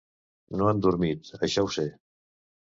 No han dormit, això ho sé.